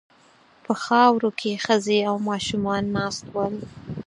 په خاورو کې ښځې او ماشومان ناست ول.